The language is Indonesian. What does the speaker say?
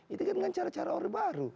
itu kan dengan cara cara orde baru